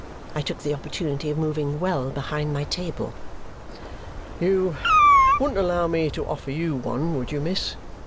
I took the opportunity of moving well behind my table. "You wouldn't allow me to offer you one, would you miss?"